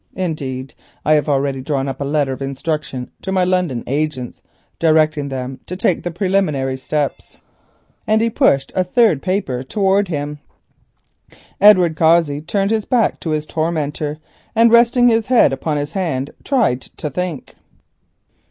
Indeed, I have already drawn up a letter of instruction to my London agents directing them to take the preliminary steps," and he pushed a third paper towards him. Edward Cossey turned his back to his tormentor and resting his head upon his hand tried to think.